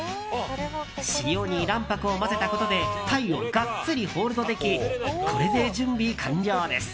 塩に卵白を混ぜたことでタイをガッツリホールドできこれで準備完了です。